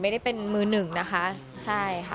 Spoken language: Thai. ไม่ได้เป็นมือหนึ่งนะคะใช่ค่ะ